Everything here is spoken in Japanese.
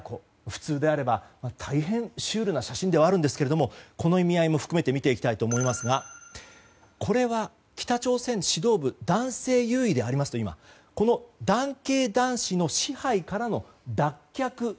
普通であれば大変シュールな写真ではありますがこの意味合いも含めて見ていきたいと思いますがこれは北朝鮮指導部男性優位でありますとこの男系男子の支配からの脱却。